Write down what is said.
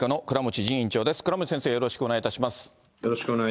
倉持先生、よろしくお願いいたします。